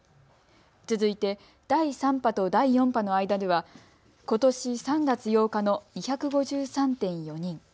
続いて第３波と第４波の間ではことし３月８日の２５３．４人。